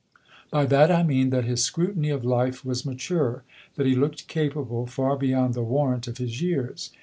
By that I mean that his scrutiny of life was mature; that he looked capable, far beyond the warrant of his years.